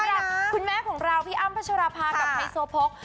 สำหรับคุณแม่ของเราพี่อ้ามพัชรภากับไฮโซโพก